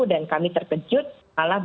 dan kami terkejut malah